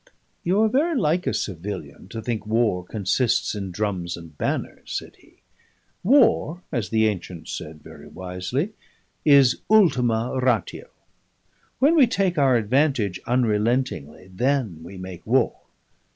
"You are very like a civilian to think war consists in drums and banners," said he. "War (as the ancients said very wisely) is ultima ratio. When we take our advantage unrelentingly, then we make war.